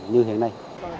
như hình này